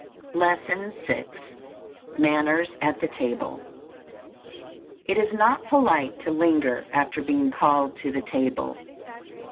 _ LESSON VI. MANNERS AT THE TABLE. IT is not polite to linger after being called to the table.